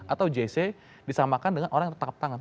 atau jc disamakan dengan orang yang tertangkap tangan